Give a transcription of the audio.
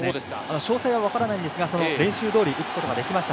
詳細はわからないんですが練習通り打つことができました。